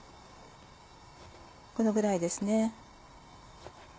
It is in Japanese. このぐらいですね。